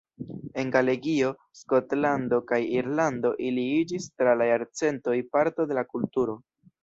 En Galegio, Skotlando kaj Irlando ili iĝis tra la jarcentoj parto de la kulturo.